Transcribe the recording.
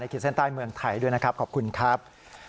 ขีดเส้นใต้เมืองไทยด้วยนะครับขอบคุณครับ